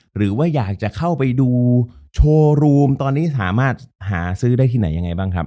หรือว่าอยากจะเข้าไปดูโชว์รูมตอนนี้สามารถหาซื้อได้ที่ไหนยังไงบ้างครับ